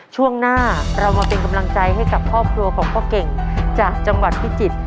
ช่วงหน้าเรามาเป็นกำลังใจให้กับครอบครัวของพ่อเก่งจากจังหวัดพิจิตร